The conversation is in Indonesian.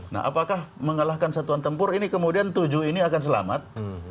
nah apakah mengalahkan satuan tempur ini kemudian tujuh ini akan selamat